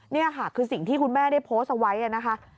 นี่ค่ะคือสิ่งที่คุณแม่ได้โพสต์เอาไว้นะคะ